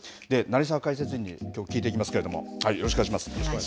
成澤解説委員にきょう聞いていきますけれどもよろしくお願いします。